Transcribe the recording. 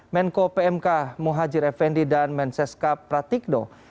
menko pmk muhajir effendi dan menseska pratikdo